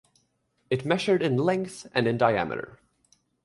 It measured in length, and in diameter.